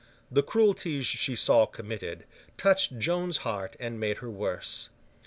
The cruelties she saw committed, touched Joan's heart and made her worse.